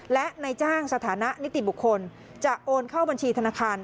และในจ้างสถานะนิติบุคคลจะโอนเข้าบัญชีธนาคาร